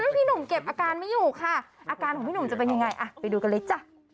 พี่หนุ่มเก็บอาการไม่อยู่ค่ะอาการของพี่หนุ่มจะเป็นยังไงอ่ะไปดูกันเลยจ้ะ